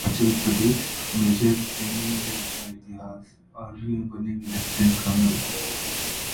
Arunachal Pradesh: major Doming ने रचा इतिहास, आर्मी में बनेंगी लेफ्टिनेंट कर्नल